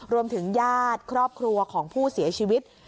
ญาติครอบครัวของผู้เสียชีวิต